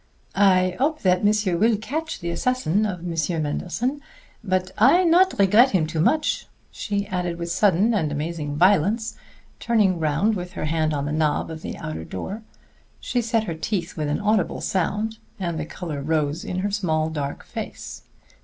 "I hope that monsieur will catch the assassin of Monsieur Manderson.... But I not regret him too much," she added with sudden and amazing violence, turning round with her hand on the knob of the outer door. She set her teeth with an audible sound, and the color rose in her small, dark face.